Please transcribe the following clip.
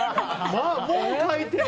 もう書いてる！